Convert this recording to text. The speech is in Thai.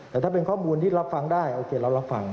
แต่ถ้าเป็นข้อมูลที่รับฟังได้โอเคเรารับฟัง